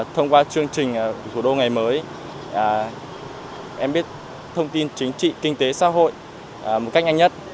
thông qua chương trình thủ đô ngày mới em biết thông tin chính trị kinh tế xã hội một cách nhanh nhất